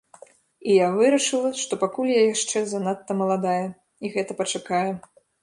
І я вырашыла, што пакуль я яшчэ занадта маладая, і гэта пачакае.